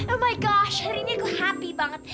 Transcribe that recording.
oh my gosh hari ini aku happy banget